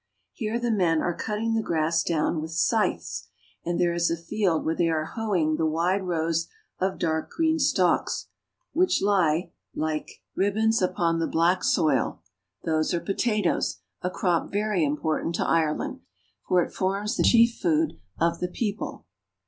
Here the men are cutting the grass down with scythes, and there is a field where they are hoeing the wide rows of dark green stalks, which lie like great i8 IRELAND. ribbons upon the black soil. Those are potatoes, a crop very important to Ireland, for it forms the chief food of the people.